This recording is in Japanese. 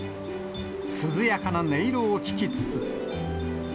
涼やかな音色を聞きつつ。